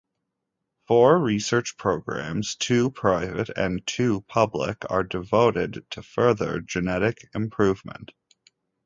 Four research programs, two private and two public, are devoted to further genetic improvement.